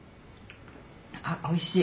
あおいしい。